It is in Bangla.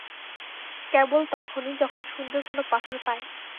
কেবল তখনই, যখন সুন্দর কোনো পাথর পাই।